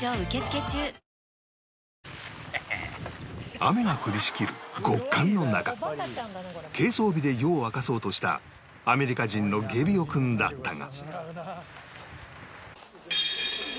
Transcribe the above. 雨が降りしきる極寒の中軽装備で夜を明かそうとしたアメリカ人のゲビオ君だったが